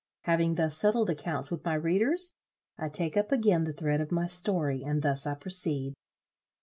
Having thus settled accounts with my readers; I take up again the thread of my story, and thus I proceed.